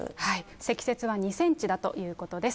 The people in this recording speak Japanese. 積雪は２センチだということです。